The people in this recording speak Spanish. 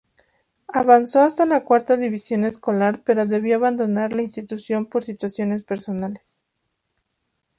Avanzó hasta la cuarta división escolar, pero debió abandonar la institución por situaciones personales.